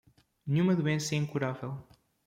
Nenhuma doença é incurável